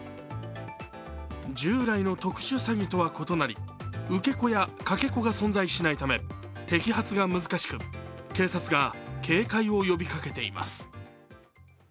従来の特殊詐欺とは異なり、受け子やかけ子が存在しないため摘発が難しく、警察が警戒を呼びかけています。